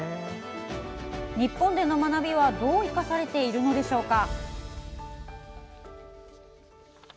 日本での学びはどう生かされているのでしょうか。